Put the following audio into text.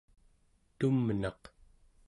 tumnaq